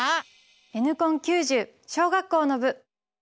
「Ｎコン９０」小学校の部！